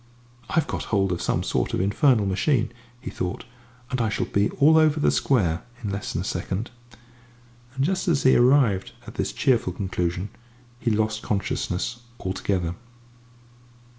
"I've got hold of some sort of infernal machine," he thought, "and I shall be all over the square in less than a second!" And, just as he arrived at this cheerful conclusion, he lost consciousness altogether.